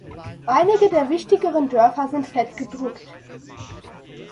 Einige der wichtigeren Dörfer sind fett gedruckt.